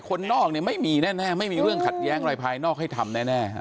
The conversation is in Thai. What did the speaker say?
คนนอกเนี่ยไม่มีแน่ไม่มีเรื่องขัดแย้งอะไรภายนอกให้ทำแน่ฮะ